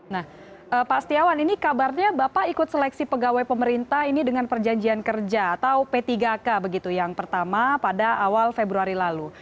nah pak setiawan ini kabarnya bapak ikut seleksi pegawai pemerintah ini dengan perjanjian kerja atau p tiga k begitu yang pertama pada awal februari lalu